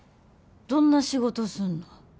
どんな仕事すんの？